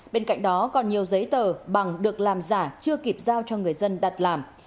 bên cạnh đó còn nhiều giấy tờ bằng được làm giả chưa kịp giao cho người dân đặt làm